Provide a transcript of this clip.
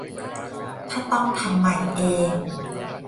ถ้าต้องทำใหม่เอง